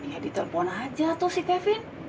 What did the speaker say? ya ditelepon aja tuh si kevin